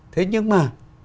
thế nhưng mà